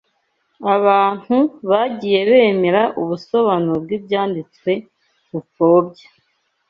abantu bagiye bemera umusobanuro bw’Ibyanditswe bupfobya